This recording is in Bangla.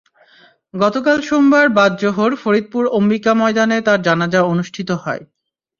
গতকাল সোমবার বাদ জোহর ফরিদপুর অম্বিকা ময়দানে তাঁর জানাজা অনুষ্ঠিত হয়।